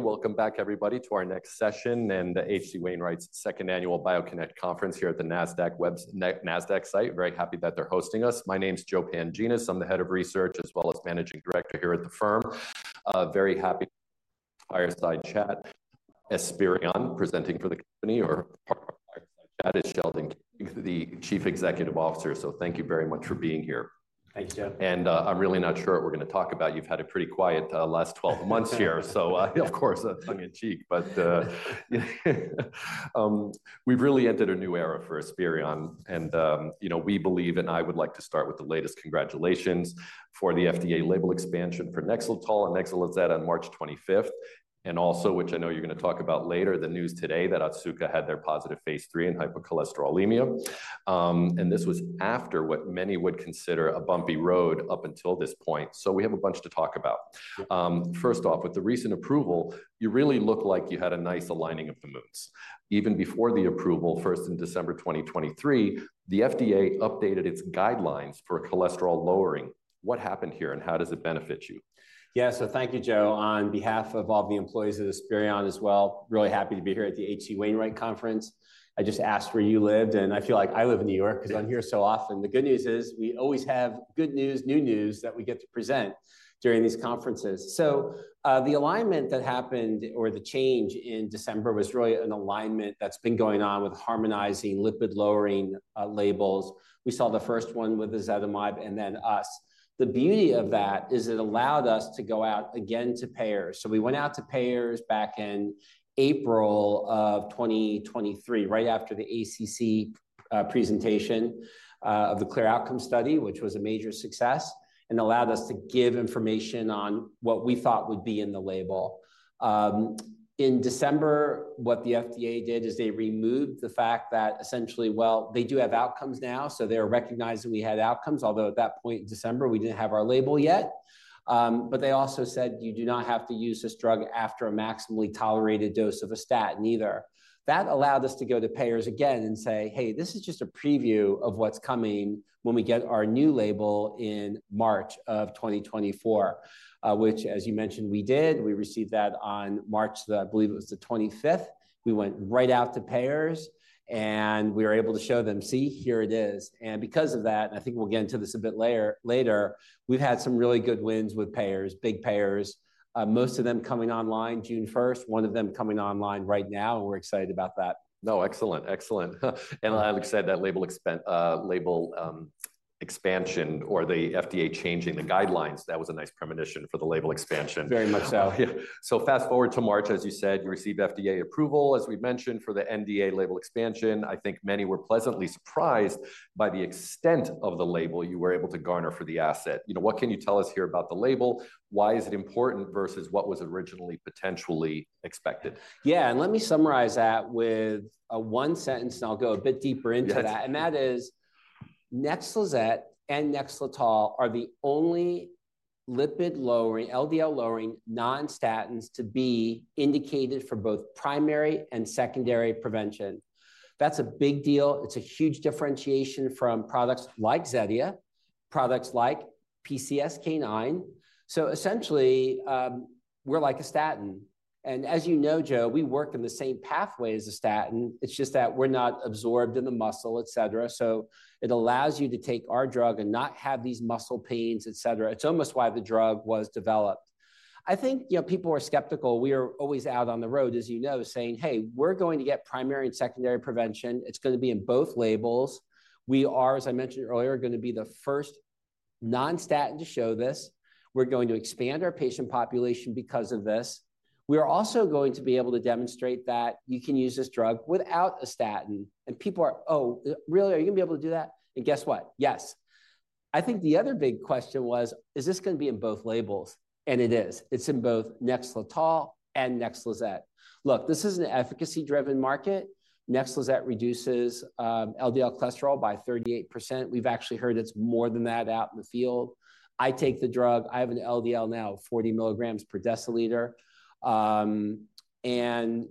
Welcome back, everybody, to our next session, and the H.C. Wainwright's Second Annual BioConnect Conference here at the Nasdaq site. Very happy that they're hosting us. My name's Joe Pantginis. I'm the Head of Research as well as Managing Director here at the firm. Very happy fireside chat. Esperion, presenting for the company or part of the fireside chat is Sheldon, the Chief Executive Officer. So thank you very much for being here. Thank you, Joe. I'm really not sure what we're going to talk about. You've had a pretty quiet last 12 months here, so of course, that's tongue in cheek. We've really entered a new era for Esperion, and you know, we believe, and I would like to start with the latest congratulations for the FDA label expansion for Nexletol and Nexlizet on March 25th, and also, which I know you're going to talk about later, the news today that Otsuka had their positive phase III in hypercholesterolemia. This was after what many would consider a bumpy road up until this point. So we have a bunch to talk about. First off, with the recent approval, you really look like you had a nice aligning of the moons. Even before the approval, first in December 2023, the FDA updated its guidelines for cholesterol lowering. What happened here, and how does it benefit you? Yeah, so thank you, Joe, on behalf of all the employees at Esperion as well. Really happy to be here at the H.C. Wainwright Conference. I just asked where you lived, and I feel like I live in New York- Yeah... because I'm here so often. The good news is, we always have good news, new news, that we get to present during these conferences. So, the alignment that happened or the change in December was really an alignment that's been going on with harmonizing lipid-lowering labels. We saw the first one with ezetimibe, and then us. The beauty of that is it allowed us to go out again to payers. So we went out to payers back in April of 2023, right after the ACC presentation of the CLEAR Outcomes study, which was a major success, and allowed us to give information on what we thought would be in the label. In December, what the FDA did is they removed the fact that essentially, they do have outcomes now, so they're recognizing we had outcomes, although at that point in December, we didn't have our label yet. But they also said, "You do not have to use this drug after a maximally tolerated dose of a statin either." That allowed us to go to payers again and say, "Hey, this is just a preview of what's coming when we get our new label in March of 2024," which, as you mentioned, we did. We received that on March the, I believe it was the 25th. We went right out to payers, and we were able to show them, "See? Here it is." And because of that, and I think we'll get into this a bit later, we've had some really good wins with payers, big payers, most of them coming online June first, one of them coming online right now, and we're excited about that. No, excellent, excellent. And like I said, that label expansion or the FDA changing the guidelines, that was a nice premonition for the label expansion. Very much so. Yeah. So fast-forward to March, as you said, you received FDA approval, as we mentioned, for the NDA label expansion. I think many were pleasantly surprised by the extent of the label you were able to garner for the asset. You know, what can you tell us here about the label? Why is it important versus what was originally potentially expected? Yeah, and let me summarize that with one sentence, and I'll go a bit deeper into that. Yes. That is, Nexlizet and Nexletol are the only lipid-lowering, LDL-lowering non-statins to be indicated for both primary and secondary prevention. That's a big deal. It's a huge differentiation from products like Zetia, products like PCSK9. So essentially, we're like a statin. And as you know, Joe, we work in the same pathway as a statin. It's just that we're not absorbed in the muscle, et cetera. So it allows you to take our drug and not have these muscle pains, et cetera. It's almost why the drug was developed. I think, you know, people are skeptical. We are always out on the road, as you know, saying: "Hey, we're going to get primary and secondary prevention. It's going to be in both labels. We are, as I mentioned earlier, going to be the first non-statin to show this. We're going to expand our patient population because of this. We are also going to be able to demonstrate that you can use this drug without a statin." And people are: "Oh, really? Are you going to be able to do that?" And guess what? Yes. I think the other big question was: Is this going to be in both labels? And it is. It's in both Nexletol and Nexlizet. Look, this is an efficacy-driven market. Nexlizet reduces LDL cholesterol by 38%. We've actually heard it's more than that out in the field. I take the drug. I have an LDL now, 40 mg/dl. And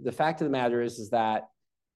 the fact of the matter is, is that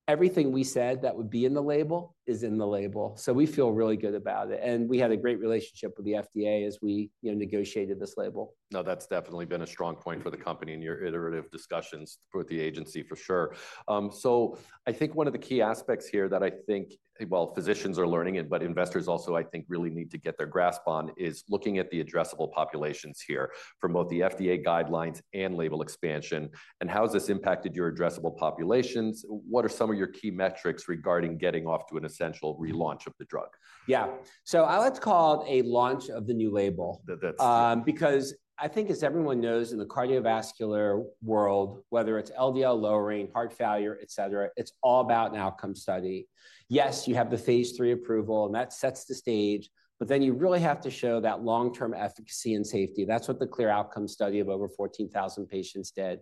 everything we said that would be in the label is in the label, so we feel really good about it. And we had a great relationship with the FDA as we, you know, negotiated this label. No, that's definitely been a strong point for the company in your iterative discussions with the agency, for sure. I think one of the key aspects here that I think, well, physicians are learning it, but investors also, I think, really need to get their grasp on, is looking at the addressable populations here from both the FDA guidelines and label expansion, and how has this impacted your addressable populations? What are some of your key metrics regarding getting off to an essential relaunch of the drug? Yeah. So I like to call it a launch of the new label. That's... Because I think, as everyone knows, in the cardiovascular world, whether it's LDL lowering, heart failure, et cetera, it's all about an outcome study. Yes, you have the phase III approval, and that sets the stage, but then you really have to show that long-term efficacy and safety. That's what the CLEAR Outcomes study of over 14,000 patients did.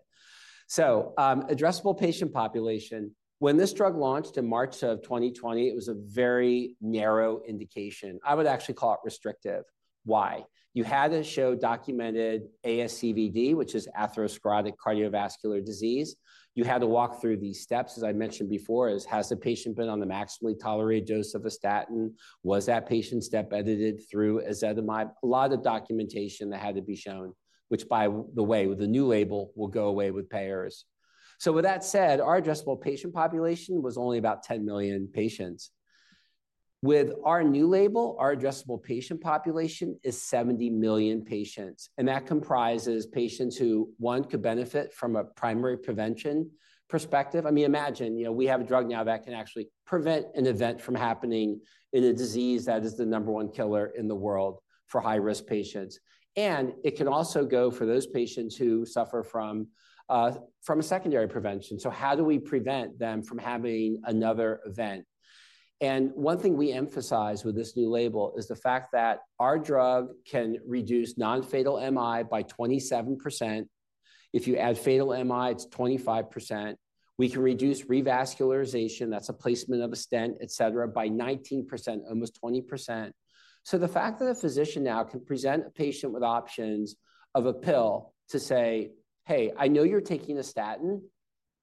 So, addressable patient population. When this drug launched in March of 2020, it was a very narrow indication. I would actually call it restrictive. Why? You had to show documented ASCVD, which is atherosclerotic cardiovascular disease. You had to walk through these steps, as I mentioned before, is: Has the patient been on the maximally tolerated dose of a statin? Was that patient step-edited through ezetimibe? A lot of documentation that had to be shown, which, by the way, with the new label, will go away with payers... So with that said, our addressable patient population was only about 10 million patients. With our new label, our addressable patient population is 70 million patients, and that comprises patients who, one, could benefit from a primary prevention perspective. I mean, imagine, you know, we have a drug now that can actually prevent an event from happening in a disease that is the number one killer in the world for high-risk patients. And it can also go for those patients who suffer from a secondary prevention. So how do we prevent them from having another event? And one thing we emphasize with this new label is the fact that our drug can reduce non-fatal MI by 27%. If you add fatal MI, it's 25%. We can reduce revascularization, that's a placement of a stent, et cetera, by 19%, almost 20%. So the fact that a physician now can present a patient with options of a pill to say, "Hey, I know you're taking a statin.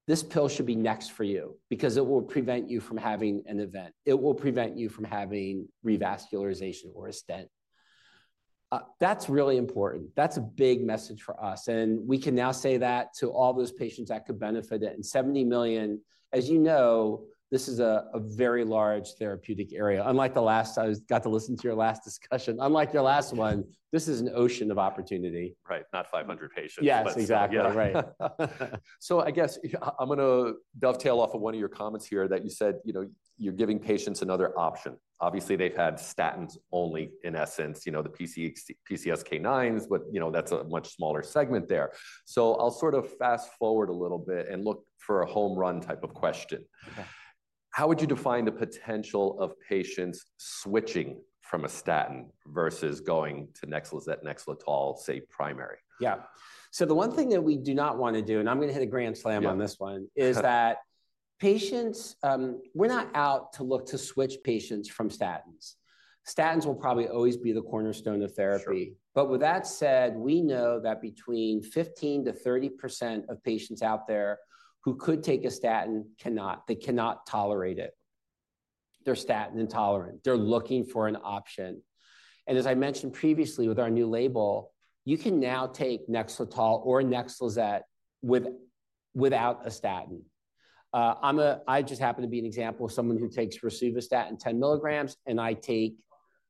This pill should be next for you because it will prevent you from having an event. It will prevent you from having revascularization or a stent," that's really important. That's a big message for us, and we can now say that to all those patients that could benefit it. And 70 million, as you know, this is a very large therapeutic area. Unlike the last-- I got to listen to your last discussion. Unlike your last one, this is an ocean of opportunity. Right, not 500 patients. Yes, exactly right. So, I guess I'm going to dovetail off of one of your comments here, that you said, you know, you're giving patients another option. Obviously, they've had statins only, in essence, you know, the PCSK9s, but, you know, that's a much smaller segment there. So I'll sort of fast-forward a little bit and look for a home run type of question. Okay. How would you define the potential of patients switching from a statin versus going to Nexlizet, Nexletol, say, primary? Yeah. So the one thing that we do not want to do, and I'm going to hit a grand slam on this one- Yeah.... is that patients, we're not out to look to switch patients from statins. Statins will probably always be the cornerstone of therapy. Sure. But with that said, we know that between 15%-30% of patients out there who could take a statin cannot. They cannot tolerate it. They're statin intolerant. They're looking for an option. And as I mentioned previously, with our new label, you can now take Nexletol or Nexlizet with, without a statin. I just happen to be an example of someone who takes rosuvastatin 10 mg, and I take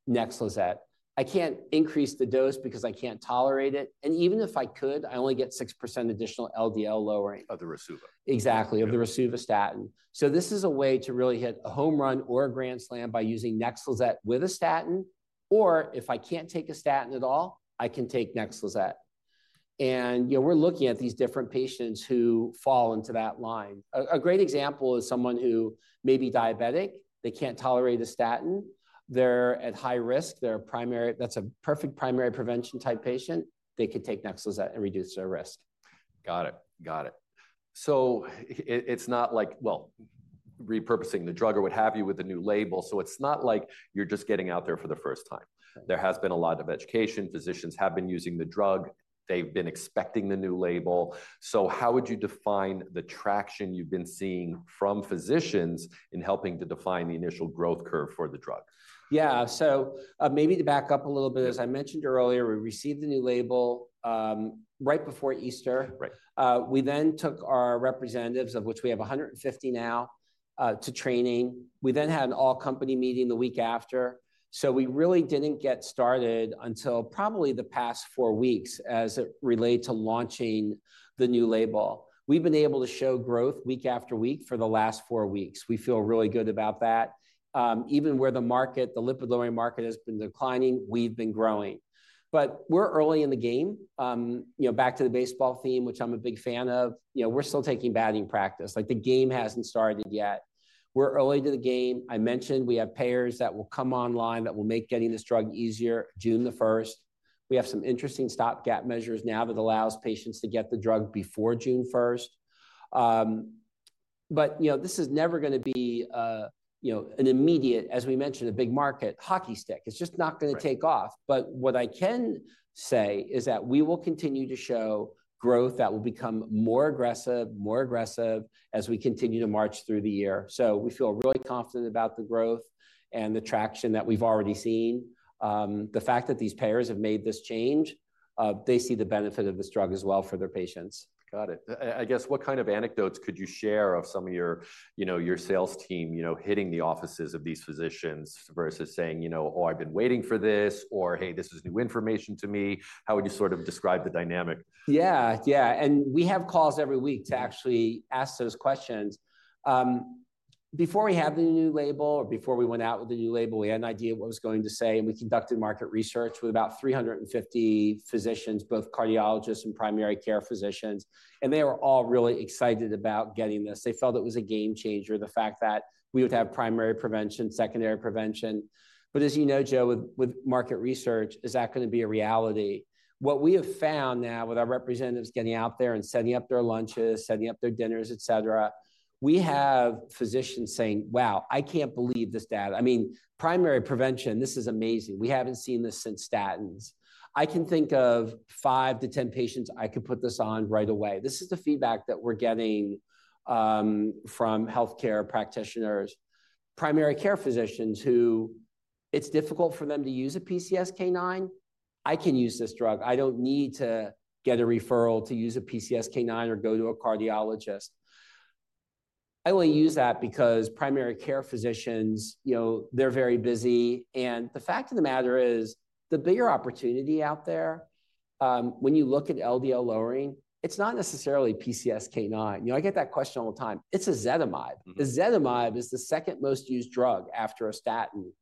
Nexlizet. I can't increase the dose because I can't tolerate it, and even if I could, I only get 6% additional LDL lowering. Of the rosuvastatin? Exactly. Yeah. Of the rosuvastatin. So this is a way to really hit a home run or a grand slam by using Nexlizet with a statin, or if I can't take a statin at all, I can take Nexlizet. And, you know, we're looking at these different patients who fall into that line. A, a great example is someone who may be diabetic. They can't tolerate a statin. They're at high risk. They're a primary... That's a perfect primary prevention type patient. They could take Nexlizet and reduce their risk. Got it. Got it. So it's not like, well, repurposing the drug or what have you with the new label, so it's not like you're just getting out there for the first time. Right. There has been a lot of education. Physicians have been using the drug. They've been expecting the new label. So how would you define the traction you've been seeing from physicians in helping to define the initial growth curve for the drug? Yeah, so, maybe to back up a little bit, as I mentioned earlier, we received the new label right before Easter. Right. We then took our representatives, of which we have 150 now, to training. We then had an all-company meeting the week after. So we really didn't get started until probably the past 4 weeks as it relates to launching the new label. We've been able to show growth week after week for the last 4 weeks. We feel really good about that. Even where the market, the lipid-lowering market has been declining, we've been growing. But we're early in the game. You know, back to the baseball theme, which I'm a big fan of, you know, we're still taking batting practice. Like, the game hasn't started yet. We're early to the game. I mentioned we have payers that will come online that will make getting this drug easier June 1st. We have some interesting stop-gap measures now that allows patients to get the drug before June first. But, you know, this is never going to be, you know, an immediate, as we mentioned, a big market, hockey stick. It's just not- Right... going to take off. But what I can say is that we will continue to show growth that will become more aggressive, more aggressive as we continue to march through the year. So we feel really confident about the growth and the traction that we've already seen. The fact that these payers have made this change, they see the benefit of this drug as well for their patients. Got it. I guess, what kind of anecdotes could you share of some of your, you know, your sales team, you know, hitting the offices of these physicians versus saying, you know, "Oh, I've been waiting for this," or, "Hey, this is new information to me?" How would you sort of describe the dynamic? Yeah, yeah, and we have calls every week to actually ask those questions. Before we had the new label or before we went out with the new label, we had an idea of what it was going to say, and we conducted market research with about 350 physicians, both cardiologists and primary care physicians, and they were all really excited about getting this. They felt it was a game changer, the fact that we would have primary prevention, secondary prevention. But as you know, Joe, with market research, is that going to be a reality? What we have found now, with our representatives getting out there and setting up their lunches, setting up their dinners, et cetera, we have physicians saying, "Wow, I can't believe this data. I mean, primary prevention, this is amazing. We haven't seen this since statins. I can think of 5-10 patients I could put this on right away." This is the feedback that we're getting from healthcare practitioners, primary care physicians. It's difficult for them to use a PCSK9. I can use this drug. I don't need to get a referral to use a PCSK9 or go to a cardiologist. I only use that because primary care physicians, you know, they're very busy, and the fact of the matter is, the bigger opportunity out there, when you look at LDL lowering, it's not necessarily PCSK9. You know, I get that question all the time. It's ezetimibe. Mm-hmm. Ezetimibe is the second most used drug after a statin.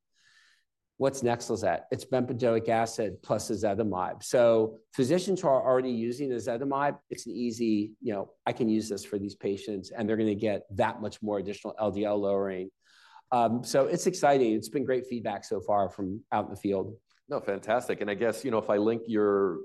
What's Nexlizet? It's bempedoic acid plus ezetimibe. So physicians who are already using ezetimibe, it's an easy, "You know, I can use this for these patients, and they're going to get that much more additional LDL lowering." So it's exciting. It's been great feedback so far from out in the field. No, fantastic, and I guess, you know, if I link your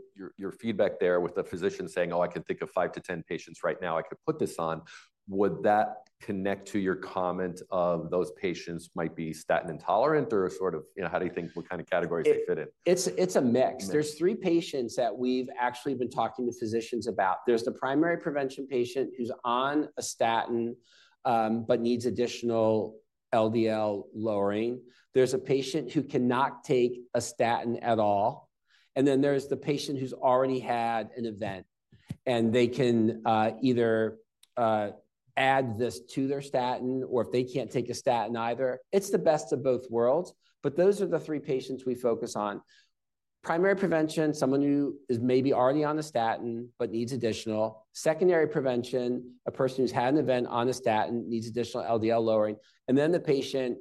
feedback there with the physician saying, "Oh, I can think of 5-10 patients right now I could put this on," would that connect to your comment of those patients might be statin intolerant or sort of, you know, how do you think, what kind of categories they fit in? It's a mix. A mix. There's three patients that we've actually been talking to physicians about. There's the primary prevention patient who's on a statin, but needs additional LDL lowering. There's a patient who cannot take a statin at all, and then there's the patient who's already had an event, and they can either add this to their statin, or if they can't take a statin either, it's the best of both worlds. But those are the three patients we focus on. Primary prevention, someone who is maybe already on a statin but needs additional, secondary prevention, a person who's had an event on a statin, needs additional LDL lowering, and then the patient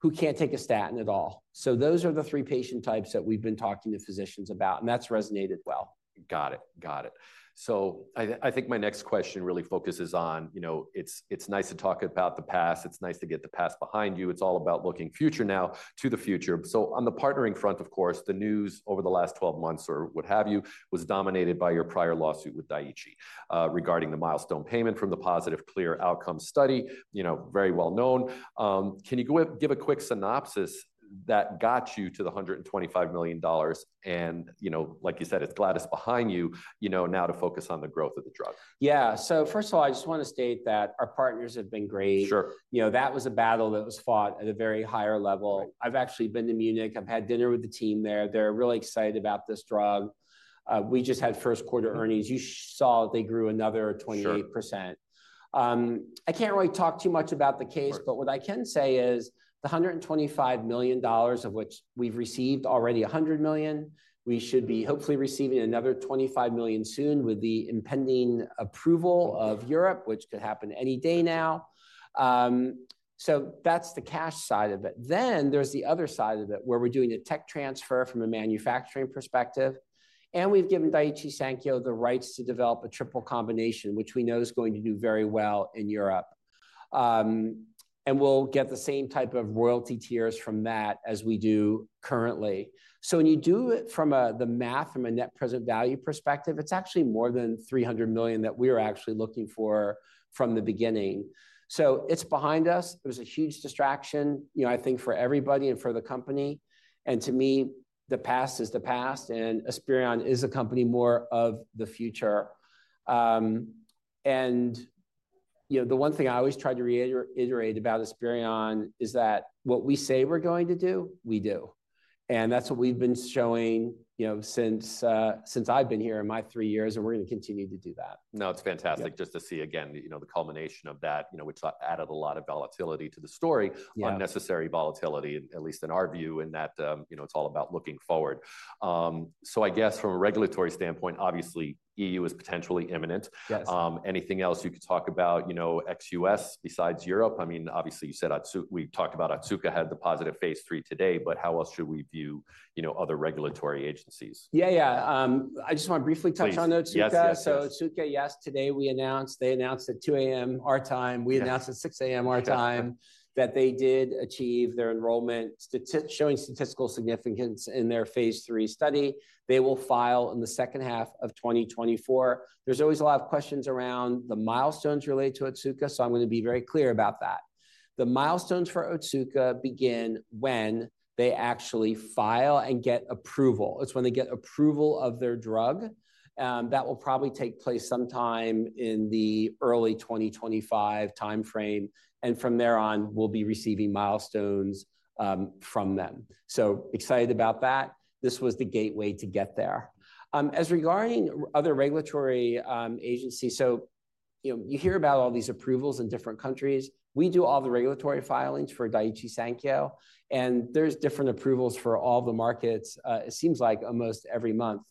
who can't take a statin at all. So those are the three patient types that we've been talking to physicians about, and that's resonated well. Got it. Got it. So I, I think my next question really focuses on, you know, it's, it's nice to talk about the past, it's nice to get the past behind you. It's all about looking future now, to the future. So on the partnering front, of course, the news over the last 12 months or what have you, was dominated by your prior lawsuit with Daiichi, regarding the milestone payment from the positive CLEAR Outcomes study, you know, very well known. Can you go, give a quick synopsis that got you to the $125 million and, you know, like you said, it's glad it's behind you, you know, now to focus on the growth of the drug? Yeah, so first of all, I just want to state that our partners have been great. Sure. You know, that was a battle that was fought at a very higher level. Right. I've actually been to Munich. I've had dinner with the team there. They're really excited about this drug. We just had first quarter earnings. You saw they grew another 28%. Sure. I can't really talk too much about the case- Right... but what I can say is the $125 million, of which we've received already $100 million, we should be hopefully receiving another $25 million soon with the impending approval of Europe, which could happen any day now. So that's the cash side of it. Then there's the other side of it, where we're doing a tech transfer from a manufacturing perspective, and we've given Daiichi Sankyo the rights to develop a triple combination, which we know is going to do very well in Europe. And we'll get the same type of royalty tiers from that as we do currently. So when you do it from a, the math, from a net present value perspective, it's actually more than $300 million that we're actually looking for from the beginning. So it's behind us. It was a huge distraction, you know, I think, for everybody and for the company, and to me, the past is the past, and Esperion is a company more of the future. And, you know, the one thing I always try to reiterate about Esperion is that what we say we're going to do, we do. And that's what we've been showing, you know, since I've been here in my three years, and we're going to continue to do that. No, it's fantastic- Yeah... just to see again, you know, the culmination of that, you know, which added a lot of volatility to the story. Yeah. Unnecessary volatility, at least in our view, in that, you know, it's all about looking forward. I guess from a regulatory standpoint, obviously, EU is potentially imminent. Yes. Anything else you could talk about, you know, ex U.S. besides Europe? I mean, obviously, you said Otsuka—we've talked about Otsuka, had the positive phase III today, but how else should we view, you know, other regulatory agencies? Yeah, yeah. I just want to briefly touch on Otsuka. Please. Yes, yes, yes. So Otsuka, yes, today we announced, they announced at 2:00 A.M. our time- Yes... we announced at 6:00 A.M. our time, that they did achieve their enrollment, showing statistical significance in their phase III study. They will file in the second half of 2024. There's always a lot of questions around the milestones related to Otsuka, so I'm going to be very clear about that. The milestones for Otsuka begin when they actually file and get approval. It's when they get approval of their drug, that will probably take place sometime in the early 2025 timeframe, and from there on, we'll be receiving milestones, from them. So excited about that. This was the gateway to get there. As regarding other regulatory, agencies, so, you know, you hear about all these approvals in different countries. We do all the regulatory filings for Daiichi Sankyo, and there's different approvals for all the markets. It seems like almost every month.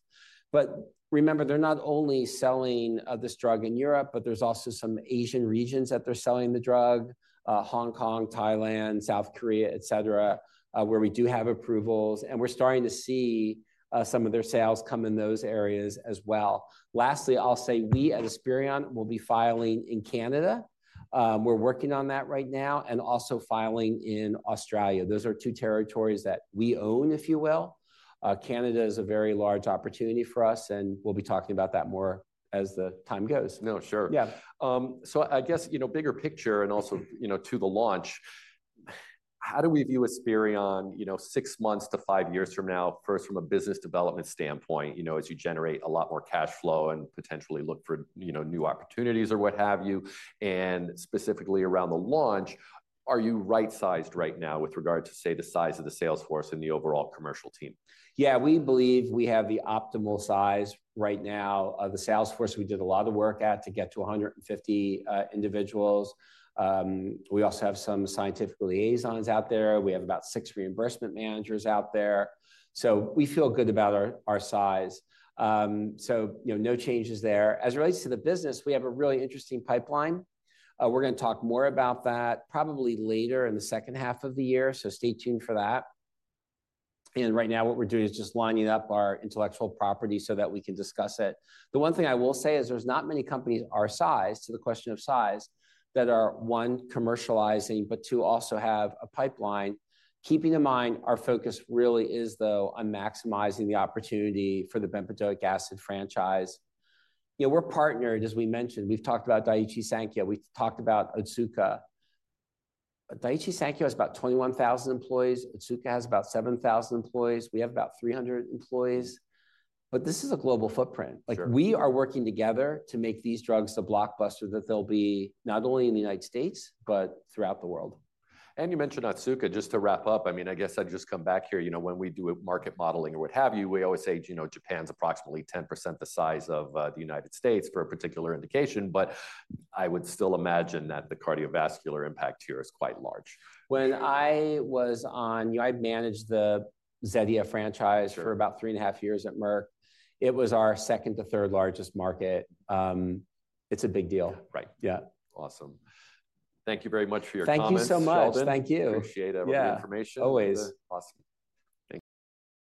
But remember, they're not only selling this drug in Europe, but there's also some Asian regions that they're selling the drug: Hong Kong, Thailand, South Korea, et cetera, where we do have approvals. And we're starting to see some of their sales come in those areas as well. Lastly, I'll say we, at Esperion, will be filing in Canada. We're working on that right now, and also filing in Australia. Those are two territories that we own, if you will. Canada is a very large opportunity for us, and we'll be talking about that more as the time goes. No, sure. Yeah. So, I guess, you know, bigger picture, and also, you know, to the launch. How do we view Esperion, you know, six months to five years from now? First, from a business development standpoint, you know, as you generate a lot more cash flow and potentially look for, you know, new opportunities or what have you. And specifically around the launch, are you right-sized right now with regard to, say, the size of the sales force and the overall commercial team? Yeah, we believe we have the optimal size right now. The sales force, we did a lot of work at to get to 150 individuals. We also have some scientific liaisons out there. We have about six reimbursement managers out there. So we feel good about our, our size. So, you know, no changes there. As it relates to the business, we have a really interesting pipeline. We're gonna talk more about that probably later in the second half of the year, so stay tuned for that. And right now, what we're doing is just lining up our intellectual property so that we can discuss it. The one thing I will say is there's not many companies our size, to the question of size, that are, one, commercializing, but two, also have a pipeline. Keeping in mind, our focus really is, though, on maximizing the opportunity for the bempedoic acid franchise. You know, we're partnered, as we mentioned, we've talked about Daiichi Sankyo, we've talked about Otsuka. Daiichi Sankyo has about 21,000 employees. Otsuka has about 7,000 employees. We have about 300 employees. But this is a global footprint. Sure. Like, we are working together to make these drugs the blockbuster that they'll be, not only in the United States, but throughout the world. You mentioned Otsuka, just to wrap up. I mean, I guess I'd just come back here. You know, when we do a market modeling or what have you, we always say, you know, Japan's approximately 10% the size of the United States for a particular indication, but I would still imagine that the cardiovascular impact here is quite large. When I was on... I managed the Zetia franchise. Sure -for about three and a half years at Merck. It was our second to third largest market. It's a big deal. Yeah, right. Yeah. Awesome. Thank you very much for your comments, Sheldon. Thank you so much. Thank you. Appreciate all the information. Yeah, always. Awesome. Thank you.